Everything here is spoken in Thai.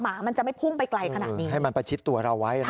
มันจะไม่พุ่งไปไกลขนาดนี้ให้มันประชิดตัวเราไว้นะ